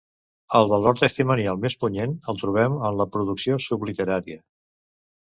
El valor testimonial més punyent el trobem en la producció subliterària.